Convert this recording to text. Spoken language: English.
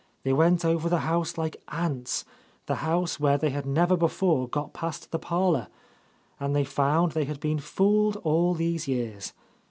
They went over the house like ants, the house where they had never before got past the parlour; and they found they had been fooled all these years.